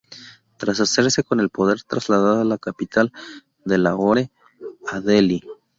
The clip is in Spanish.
Tras hacerse con el poder traslada la capital de Lahore a Delhi.